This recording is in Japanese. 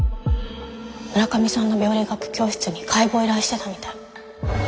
村上さんの病理学教室に解剖を依頼してたみたい。